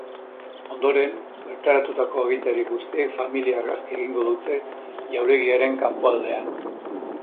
Ondoren, bertaratutako agintari guztiek familia argazkia egingo dute jauregiaren kanpoaldean.